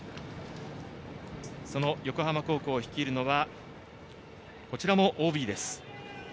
その横浜高校を率いるのがこちらもＯＢです。